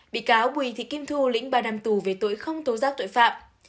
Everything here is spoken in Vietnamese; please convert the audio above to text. bị cáo bùi thị kim thu lĩnh ba năm tù về tội không tố giác tội phạm